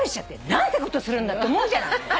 何てことするんだと思うじゃない。